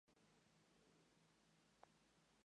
Mitsuki Saitō